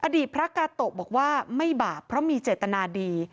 พระกาโตะบอกว่าไม่บาปเพราะมีเจตนาดี